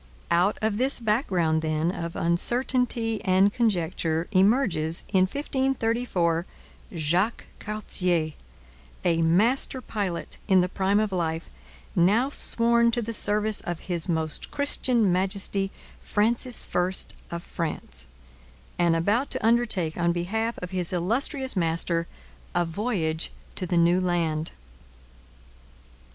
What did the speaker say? Out of this background, then, of uncertainty and conjecture emerges, in 1534, Jacques Cartier, a master pilot in the prime of life, now sworn to the service of His Most Christian Majesty Francis I of France, and about to undertake on behalf of his illustrious master a voyage to the New Land.